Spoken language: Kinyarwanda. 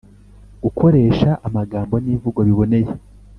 gukoresha amagambo n’imvugo biboneye